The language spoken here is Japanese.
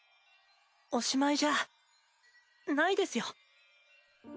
おしまいじゃないですよ。